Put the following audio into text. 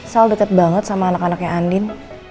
sal deket banget sama anak anaknya andien